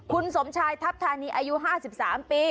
คุณสมชายทัพธานีอายุ๕๓ปี